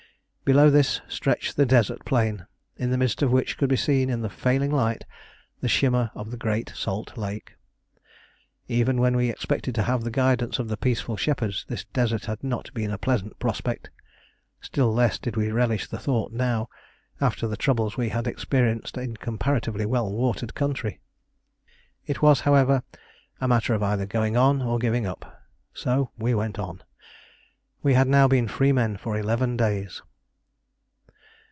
Below this stretched the desert plain, in the midst of which could be seen in the failing light the shimmer of the great salt lake. Even when we expected to have the guidance of the peaceful shepherds, this desert had not been a pleasant prospect; still less did we relish the thought now, after the troubles we had experienced in comparatively well watered country. It was, however, a matter either of going on or giving up, so we went on. We had now been free men for eleven days.